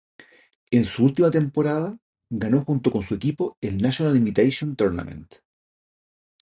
En su última temporada ganó junto con su equipo el National Invitation Tournament.